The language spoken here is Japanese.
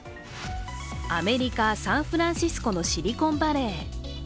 アメリカ・サンフランシスコのシリコンバレー。